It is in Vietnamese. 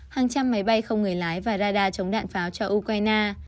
hàng trăm máy bay không người lái và radar chống đạn pháo cho ukraine